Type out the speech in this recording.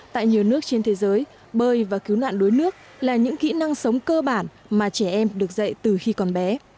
tại nhiều nước trên thế giới bơi và cứu nạn đuối nước là những kỹ năng sống cơ bản mà trẻ em được dạy từ khi còn bé